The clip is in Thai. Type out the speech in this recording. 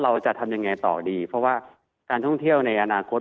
เราจะทำยังไงต่อดีเพราะว่าการท่องเที่ยวในอนาคต